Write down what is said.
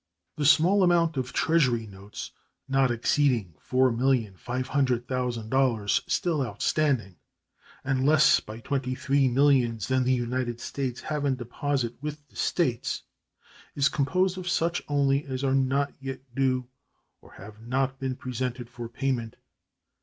The small amount of Treasury notes, not exceeding $4,500,000, still outstanding, and less by twenty three millions than the United States have in deposit with the States, is composed of such only as are not yet due or have not been presented for payment.